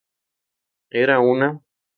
Era una...